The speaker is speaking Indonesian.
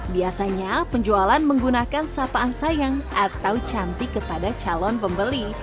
biasanya penjualan menggunakan sapaan sayang atau cantik kepada calon pembeli